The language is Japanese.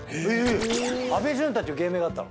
阿部純大という芸名があったの？